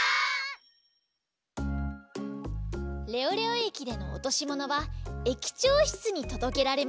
レオレオ駅でのおとしものは駅長しつにとどけられます